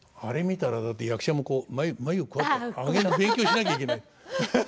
あれ見たらだって役者もこう眉をこうやって上げる勉強しなきゃいけない。